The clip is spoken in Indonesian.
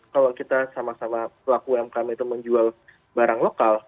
kalau kita sama sama pelaku umkm itu menjual barang lokal